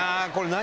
何？